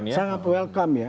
sangat welcome ya